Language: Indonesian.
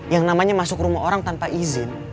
yang namanya masuk rumah orang tanpa izin